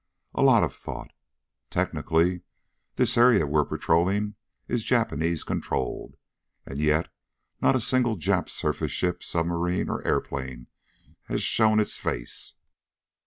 A lot of thought. Technically, this area we're patrolling is Japanese controlled. And yet, not a single Jap surface ship, submarine, or plane has shown its face.